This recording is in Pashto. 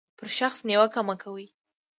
پر شخص نیوکه مه کوئ.